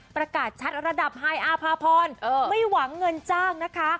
ประกาศชัดระดับไฮอาภาพรไม่หวังเงินจ้างนะคะ